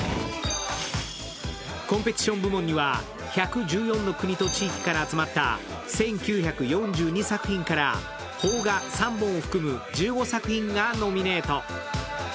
コンペティション部門には１１４の国と地域から集まった一九四二作品から、邦画３本を含む１５作品がノミネート。